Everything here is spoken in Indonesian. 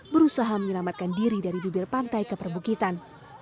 berusaha menyelamatkan diri dari bibir pantai ke perbukitan